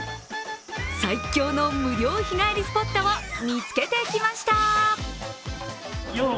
最強の無料日帰りスポットを見つけてきました。